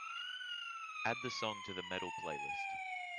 Add the song to the Metal playlist.